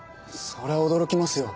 そりゃ驚きますよ。